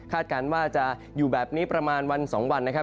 การว่าจะอยู่แบบนี้ประมาณวัน๒วันนะครับ